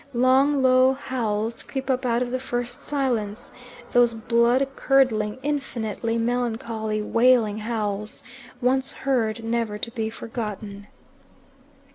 Long, low howls creep up out of the first silence those blood curdling, infinitely melancholy, wailing howls once heard, never to be forgotten.